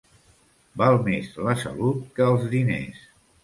Val més la salut que els diners.